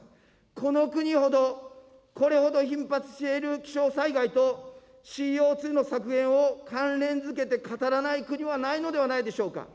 この国ほど、これほど頻発している気象災害とＣＯ２の削減を関連づけて語らない国はないのではないでしょうか。